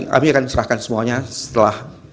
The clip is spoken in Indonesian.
kami akan serahkan semuanya setelah